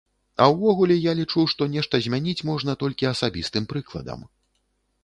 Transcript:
А ўвогуле я лічу, што нешта змяніць можна толькі асабістым прыкладам.